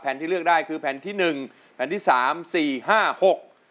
ที่เลือกได้คือแผ่นที่หนึ่งแผ่นที่สามสี่ห้าหก